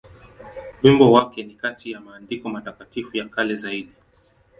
Wimbo wake ni kati ya maandiko matakatifu ya kale zaidi.